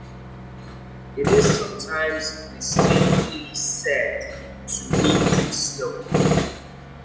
It is sometimes mistakenly said to mean 'deep snow'.